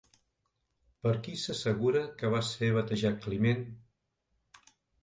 Per qui s'assegura que va ser batejat Climent?